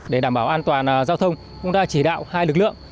để đảm bảo an toàn giao thông chúng ta chỉ đạo hai lực lượng